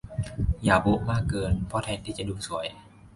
อย่าโบ๊ะมากเกิน เพราะแทนที่จะดูสวย